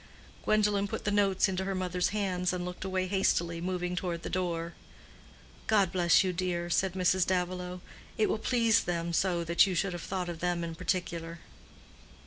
Gwendolen put the notes into her mother's hands and looked away hastily, moving toward the door. "God bless you, dear," said Mrs. Davilow. "It will please them so that you should have thought of them in particular."